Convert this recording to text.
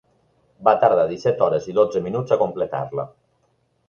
Va tardar disset hores i dotze minuts a completar-la.